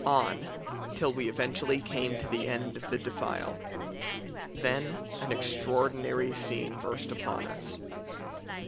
On, till we eventually came to the end of the defile. Then an extraordinary scene burst upon us.